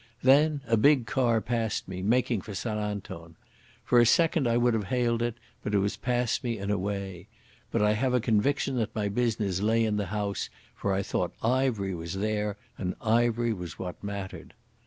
Then a big car passed me, making for St Anton. For a second I would have hailed it, but it was past me and away. But I had a conviction that my business lay in the house, for I thought Ivery was there, and Ivery was what mattered.